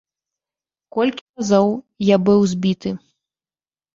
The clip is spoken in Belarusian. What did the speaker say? Колькі разоў я быў збіты.